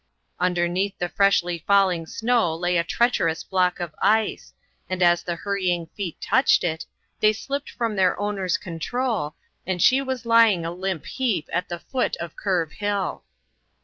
Underneath the freshly falling snow lay a treacherous block of ice, and as the hurrying feet touched it, they slipped from their owner's control, and she was lying a limp heap at the foot of Curve Hill.